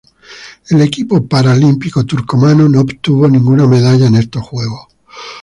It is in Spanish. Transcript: El equipo paralímpico turcomano no obtuvo ninguna medalla en estos Juegos.